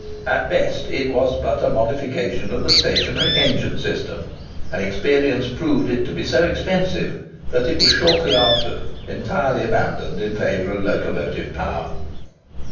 At best, it was but a modification of the stationary engine system, and experience proved it to be so expensive that it was shortly after entirely abandoned in favour of locomotive power.